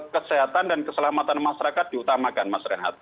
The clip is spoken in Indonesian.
kesehatan dan keselamatan masyarakat diutamakan mas rehat